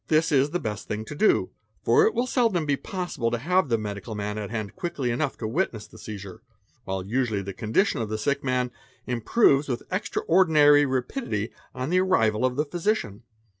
This is the best thing to do, for it will seldom ~ be possible to have the medical man at hand quickly enough to witness the seizure, while usually the condition of the sick man improves with extra ordinary rapidity on the arrival of the physician.